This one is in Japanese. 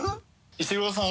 石黒さん